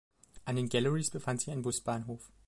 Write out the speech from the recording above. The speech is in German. An den Galleries befindet sich ein Busbahnhof.